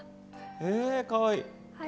え、かわいい！